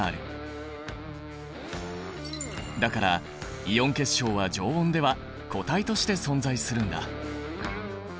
だからイオン結晶は常温では固体として存在するんだ。